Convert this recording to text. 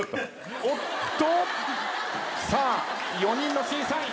おっと⁉さあ４人の審査員。